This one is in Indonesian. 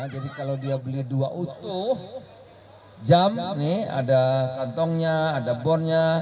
jadi kalau dia beli dua utuh jam ini ada kantongnya ada bonnya